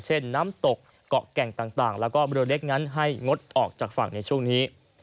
น้ำตกเกาะแก่งต่างแล้วก็เรือเล็กนั้นให้งดออกจากฝั่งในช่วงนี้